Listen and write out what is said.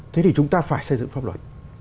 thế thì chúng ta phải xây dựng pháp luật